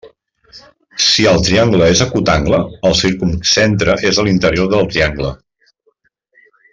Si el triangle és acutangle, el circumcentre és a l'interior del triangle.